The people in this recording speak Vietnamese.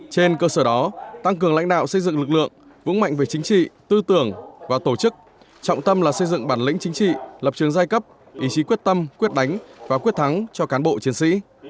trên cơ sở đó tăng cường lãnh đạo xây dựng lực lượng vững mạnh về chính trị tư tưởng và tổ chức trọng tâm là xây dựng bản lĩnh chính trị lập trường giai cấp ý chí quyết tâm quyết đánh và quyết thắng cho cán bộ chiến sĩ